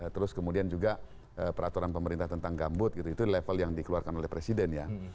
terus kemudian juga peraturan pemerintah tentang gambut gitu itu level yang dikeluarkan oleh presiden ya